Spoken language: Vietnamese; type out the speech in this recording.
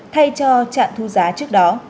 thay cho trạng thu giá trước đó